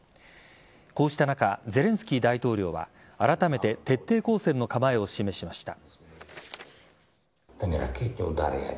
こうした中ゼレンスキー大統領はあらためて徹底抗戦の構えを示しました。